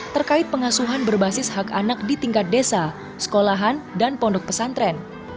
terkait pengasuhan berbasis hak anak di tingkat desa sekolahan dan pondok pesantren